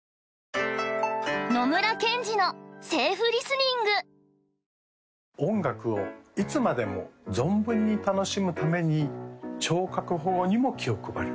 チャンネルはそのままで音楽をいつまでも存分に楽しむために聴覚保護にも気を配る